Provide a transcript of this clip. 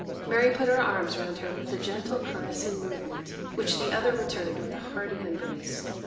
Mary put her arms round her with a gentle caressing movement, which the other returned with a hearty embrace.